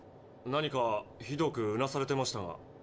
何かひどくうなされてましたが。